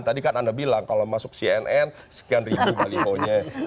tadi kan anda bilang kalau masuk cnn sekian ribu balihonya